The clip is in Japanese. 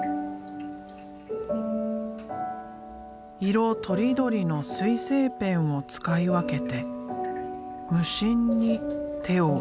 色とりどりの水性ペンを使い分けて無心に手を動かす。